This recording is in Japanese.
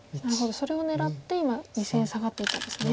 それを狙って今２線サガっていったんですね。